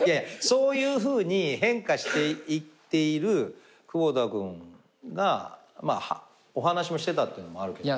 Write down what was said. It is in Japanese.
そういうふうに変化していっている窪田君がお話もしてたのもあるけど。